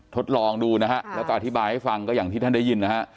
ทดลองดูนะฮะแล้วก็อธิบายให้ฟังก็อย่างที่ท่านได้ยินนะฮะ